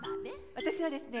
私はですね